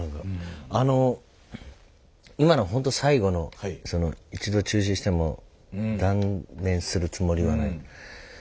あの今のほんと最後の「一度中止しても断念するつもりはない」。